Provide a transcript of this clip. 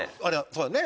そうだね。